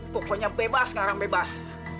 pokoknya bebas ngarang bebas